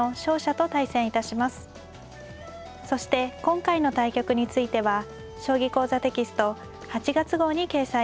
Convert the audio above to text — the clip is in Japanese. そして今回の対局については「将棋講座」テキスト８月号に掲載致します。